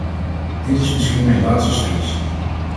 Dit is misschien mijn laatste speech.